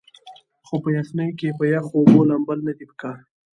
خو پۀ يخنۍ کښې پۀ يخو اوبو لامبل نۀ دي پکار